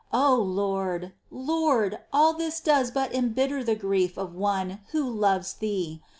6. O Lord, Lord ! all this does but embitter the grief of one who loves Thee